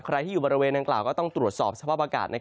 ใครที่อยู่บริเวณดังกล่าวก็ต้องตรวจสอบสภาพอากาศ